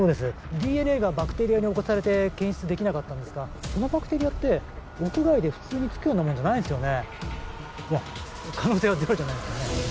ＤＮＡがバクテリアに侵されて検出できなかったんですがそのバクテリアって屋外で普通につくようなもんじゃないんですよねいや可能性はゼロじゃないですけどね